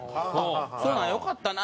「そうなん？よかったな」